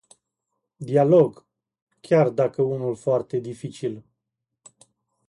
Dialog, chiar dacă unul foarte dificil.